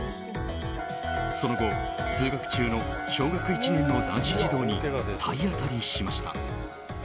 その後、通学中の小学１年の男子児童に体当たりしました。